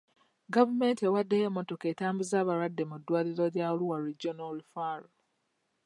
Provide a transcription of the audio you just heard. Gavumenti ewaddeyo emmotoka etambuza abalwadde mu ddwaliro lya Arua regional referral.